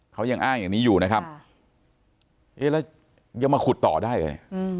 เขายังอ้างอย่างนี้อยู่นะครับเอ๊ะแล้วยังมาขุดต่อได้เลย